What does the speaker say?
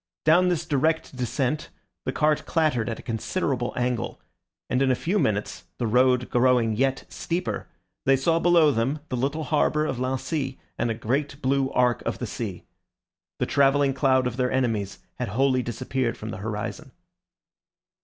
Down this direct descent the cart clattered at a considerable angle, and in a few minutes, the road growing yet steeper, they saw below them the little harbour of Lancy and a great blue arc of the sea. The travelling cloud of their enemies had wholly disappeared from the horizon.